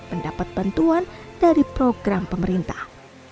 mendapat bantuan dari program pemerintah